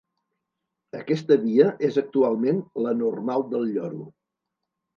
Aquesta via és actualment la Normal del Lloro.